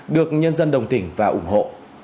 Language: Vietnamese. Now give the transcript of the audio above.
được nhân dân đồng tỉnh và ủng hộ